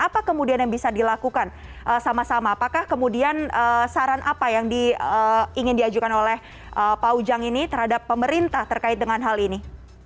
apa kemudian yang bisa dilakukan sama sama apakah kemudian saran apa yang ingin diajukan oleh pak ujang ini terhadap pemerintah terkait dengan hal ini